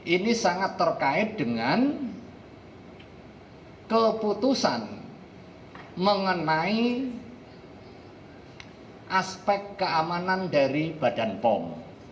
ini sangat terkait dengan keputusan mengenai aspek keamanan dari badan pom